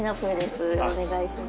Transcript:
お願いします。